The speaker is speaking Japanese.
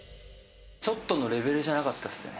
ちょっとのレベルじゃなかったですね。